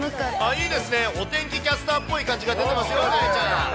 いいですね、お天気キャスターっぽい感じが出てますよ。